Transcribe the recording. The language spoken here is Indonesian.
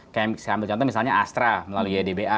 kayak misalnya astra melalui ydba